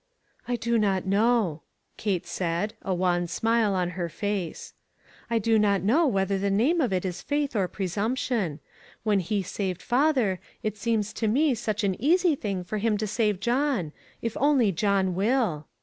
" I do not know," Kate said, a wan smile on her face; "I do not know whether the name of it is faith or presumption. When he saved father it seems to me such an easy thing for him to save John ; if only John will."